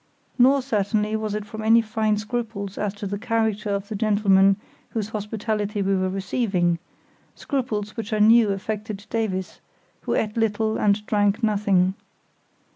Nor certainly was it from any fine scruples as to the character of the gentleman whose hospitality we were receiving—scruples which I knew affected Davies, who ate little and drank nothing.